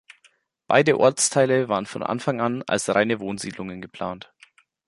Beide Ortsteile waren von Anfang an als reine Wohnsiedlungen geplant.